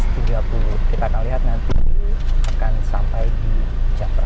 kita akan lihat nanti akan sampai di jam prat